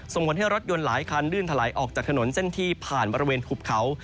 ส่งผลให้รถยนต์หลายคันลื่นถลายออกจากถนนเส้นที่ผ่านบริเวณหุบเขา